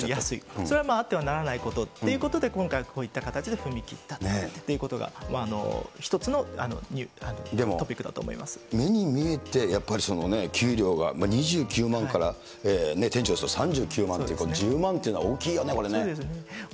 それはあってはならないことということで、今回、こういった形で踏み切ったということが、目に見えて、やっぱりそのね、給料が２９万から、店長ですと３９万って、１０万っていうのは、大きいよね、これね。